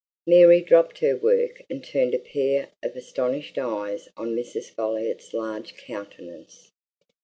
Mary dropped her work and turned a pair of astonished eyes on Mrs. Folliot's large countenance.